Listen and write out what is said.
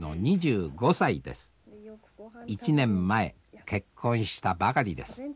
１年前結婚したばかりです。